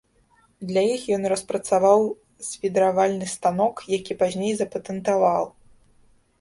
Для іх ён распрацаваў свідравальны станок, які пазней запатэнтаваў.